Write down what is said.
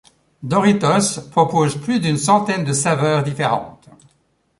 Doritos propose plus d'une centaine de saveurs différentes.